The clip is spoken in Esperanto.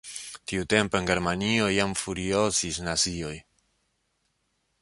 Tiutempe en Germanio jam furiozis nazioj.